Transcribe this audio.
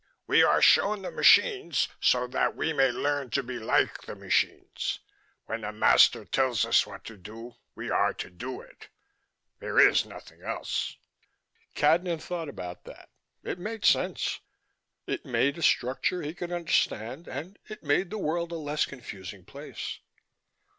"We are shown the machines so that we may learn to be like the machines. When the master tells us what to do, we are to do it. There is nothing else." Cadnan thought about that. It made sense: it made a structure he could understand, and it made the world a less confusing place.